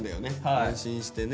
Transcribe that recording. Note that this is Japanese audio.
安心してね。